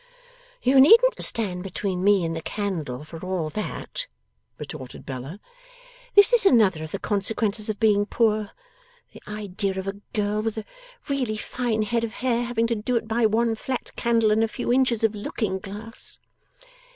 'You needn't stand between me and the candle for all that,' retorted Bella. 'This is another of the consequences of being poor! The idea of a girl with a really fine head of hair, having to do it by one flat candle and a few inches of looking glass!